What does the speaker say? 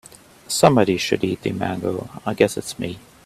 Somebody should eat the mango, I guess it is me.